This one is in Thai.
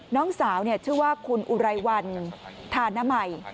น้องสาวชื่อว่าคุณอุไรวันธานมัย